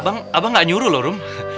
bang abang gak nyuruh loh rum